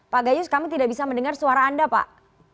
pak gayus kami tidak bisa mendengar suara anda pak